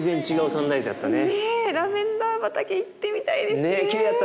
ラベンダー畑行ってみたいですね。